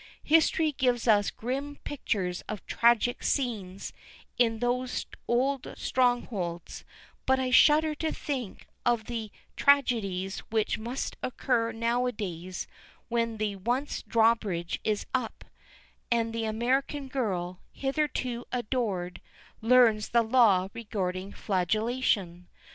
History gives us grim pictures of tragical scenes in those old strongholds, but I shudder to think of the tragedies which must occur nowadays when once the drawbridge is up, and the American girl, hitherto adored, learns the law regarding flagellation.